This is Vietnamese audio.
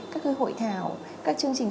các cái hội thảo các chương trình